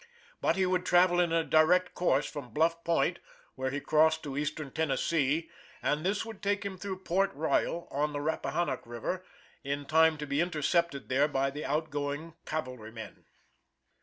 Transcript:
But he would travel in a direct course from Bluff point, where he crossed to Eastern Tennessee, and this would take him through Port Royal on the Rappahannock river, in time to be intercepted there by the outgoing cavalry men.